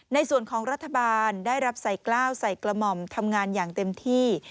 ในส่วนของรัฐบาลได้รับใส่กล้าวใส่กระหม่อมทำงานอย่างเต็มที่